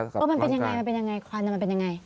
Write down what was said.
มันเป็นอย่างไรควันมันเป็นอย่างไร